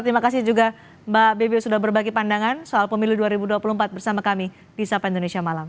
terima kasih juga mbak bewi sudah berbagi pandangan soal pemilu dua ribu dua puluh empat bersama kami di sapa indonesia malam